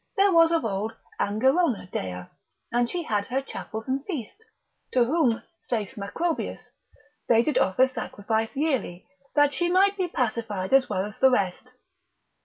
there was of old Angerona dea, and she had her chapel and feasts, to whom (saith Macrobius) they did offer sacrifice yearly, that she might be pacified as well as the rest.